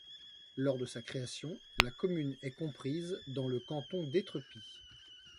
Lors de sa création, la commune est comprise dans le canton d'Étrepy.